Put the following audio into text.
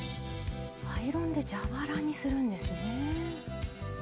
アイロンで蛇腹にするんですね。